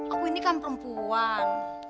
aku ini kan perempuan